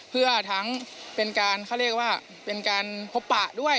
เพื่อทั้งเป็นการเขาเรียกว่าเป็นการพบปะด้วย